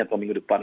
atau minggu depan